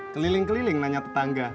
keliling keliling nanya tetangga